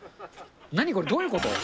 何これ、どういうこと？